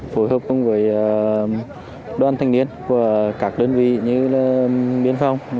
phối hợp cùng với đoàn thanh niên của các đơn vị như biên phòng